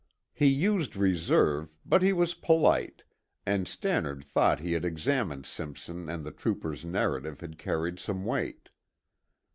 He used reserve, but he was polite, and Stannard thought he had examined Simpson and the trooper's narrative had carried some weight.